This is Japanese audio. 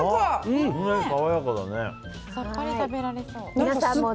さっぱり食べられそう。